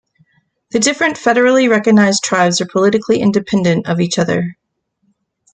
The different federally recognized tribes are politically independent of each other.